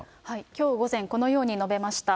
きょう午前、このように述べました。